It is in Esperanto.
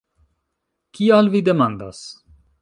Kial vi demandas?